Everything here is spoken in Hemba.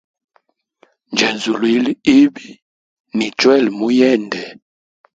Njenzulwile ibi ni chwele muyende.